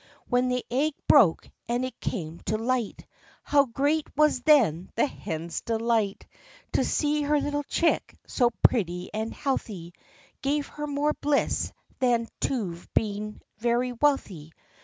When the egg broke, and it came to light, How great was then the hen's delight! To see her little chick so pretty and healthy Gave her more bliss than to've become very wealthy.